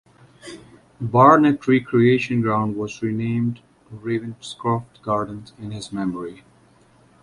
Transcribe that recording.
Barnet Recreation Ground was renamed Ravenscroft Gardens in his memory.